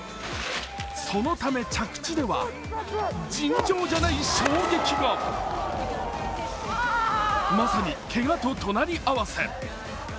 そのため着地では、尋常じゃない衝撃がまさに、けがと隣り合わせ。